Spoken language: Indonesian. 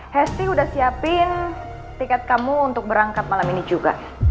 hesti udah siapin tiket kamu untuk berangkat malam ini juga